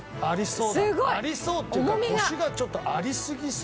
ありそうっていうかコシがちょっとありすぎそう。